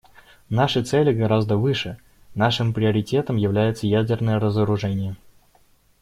Наши цели гораздо выше, нашим приоритетом является ядерное разоружение.